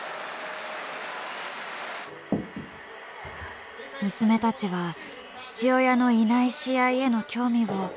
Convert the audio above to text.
娘たちは父親のいない試合への興味を失ってしまいました。